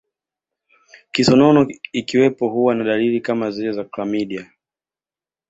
Kisonono ikiwepo huwa na dalili kama zile za klamidia